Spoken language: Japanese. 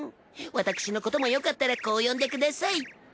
私のこともよかったらこう呼んでください。